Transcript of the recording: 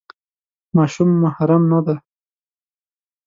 ماشوم محرم نه دی.